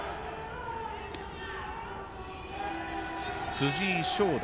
辻井翔大。